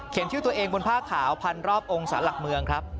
เข็มชิ้นตัวเองบนผ้าขาวพันรอบองค์สารหลักเมืองครับ